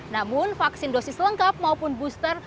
namun vaksin dosis lengkap maupun booster